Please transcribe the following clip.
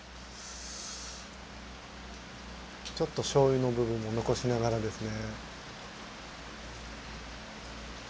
ちょっとしょうゆの部分も残しながらですね。